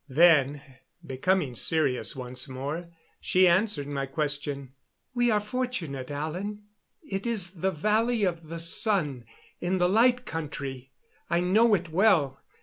Then, becoming serious once more, she answered my question. "We are fortunate, Alan. It is the Valley of the Sun, in the Light Country. I know it well.